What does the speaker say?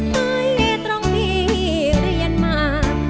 ไม่ต้องมีเรียนมา